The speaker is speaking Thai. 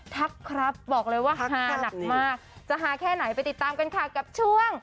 ทักครับบอกเลยว่าฮานักมากจะฮาแค่ไหนไปติดตามกันค่ะกับช่วง